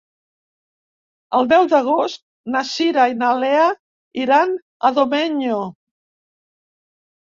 El deu d'agost na Cira i na Lea iran a Domenyo.